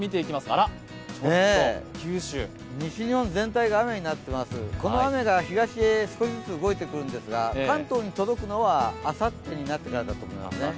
あら、ちょっと、九州西日本全体が雨になっています、この雨が東に動いてくるんですが関東に届くのはあさってになってからだと思いますね。